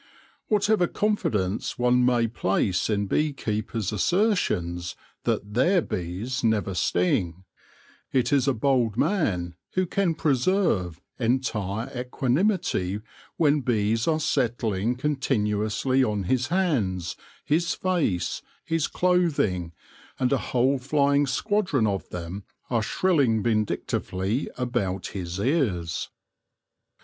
Whatever confidence one may place in bee keepers' assertions that their bees never sting, it is a bold man who can preserve entire equani mity when bees are settling continuously on his hands, his face, his clothing, and a whole flying squadron of them are shrilling vindictively about his ears.